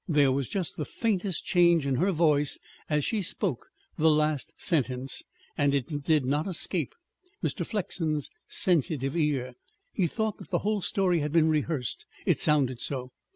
There was just the faintest change in her voice as she spoke the last sentence, and it did not escape Mr. Flexen's sensitive ear. He thought that the whole story had been rehearsed; it sounded so.